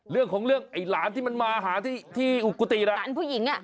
เรื่องของเรื่องไอ้หลานที่มันมาหาที่อุกตีนะ